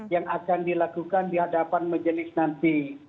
yang akan dilakukan di hadapan majelis nanti